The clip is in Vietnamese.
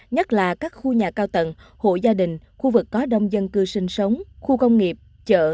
nhất là các khu nhà cao tầng hộ gia đình khu vực có đông dân cư sinh sống khu công nghiệp chợ